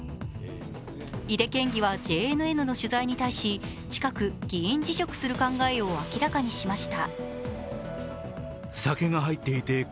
井手県議はＪＮＮの取材に対し近く、議員辞職する考えを明らかにしました。